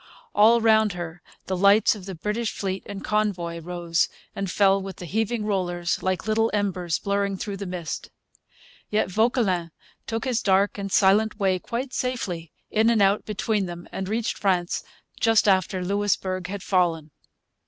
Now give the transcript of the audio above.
All round her the lights of the British fleet and convoy rose and fell with the heaving rollers, like little embers blurring through the mist. Yet Vauquelin took his dark and silent way quite safely, in and out between them, and reached France just after Louisbourg had fallen.